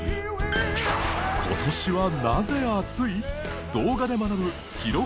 今年はなぜ暑い？